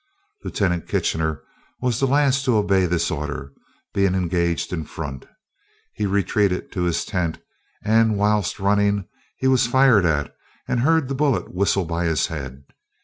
"Lieut. Kitchener was the last to obey this order, being engaged in front. He retreated to his tent, and whilst running he was fired at, and heard the bullet whistle by his head.